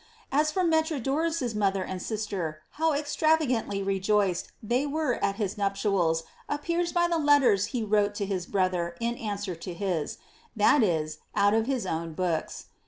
As for Metrodorus's mother and sister, how extravagantly re joiced they were at his nuptials appears by the letters lie wrote to his brother in answer to his ; that is, out of his own books.